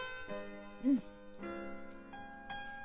うん。